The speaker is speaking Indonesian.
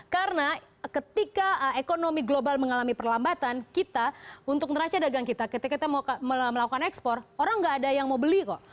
karena ketika ekonomi global mengalami perlambatan kita untuk ngeraca dagang kita ketika kita melakukan ekspor orang gak ada yang mau beli kok